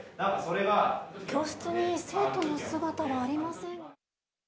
教室に生徒の姿はありません。